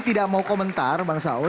tidak mau komentar bang saur